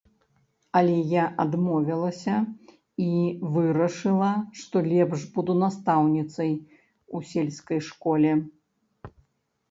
Але я адмовілася і вырашыла, што лепш буду настаўніцай у сельскай школе.